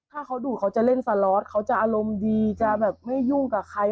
ถ้าเขาดูดเขาจะเล่นสล็อตเขาจะอารมณ์ดีจะแบบไม่ยุ่งกับใคร